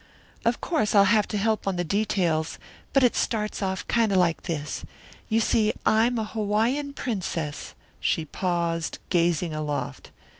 "Of course I'll have to have help on the details, but it starts off kind of like this. You see I'm a Hawaiian princess " She paused, gazing aloft.